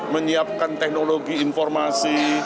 menyiapkan teknologi informasi